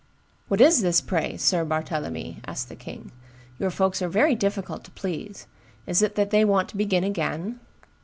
"What is this, pray, Sir Barthelemy?" asked the king: "your folks are very difficult to please; is it that they want to begin again?"